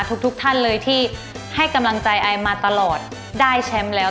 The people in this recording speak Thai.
ทุกท่านเลยที่ให้กำลังใจไอมาตลอดได้แชมป์แล้ว